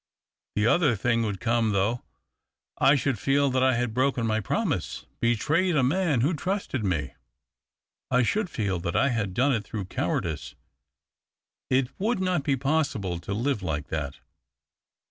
The other thing would come thouojh — I should feel that I had broken my promise, betrayed a man who trusted me. I should feel that I had done it through cowardice. It would not be possible to live like that.